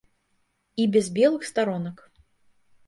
І без белых старонак.